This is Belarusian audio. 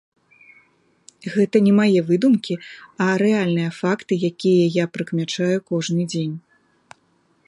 Гэта не мае выдумкі, а рэальныя факты, якія я прыкмячаю кожны дзень.